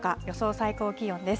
最高気温です。